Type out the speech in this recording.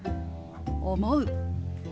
「思う」。